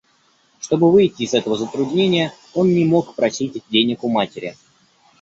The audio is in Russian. Чтобы выйти из этого затруднения, он не мог просить денег у матери.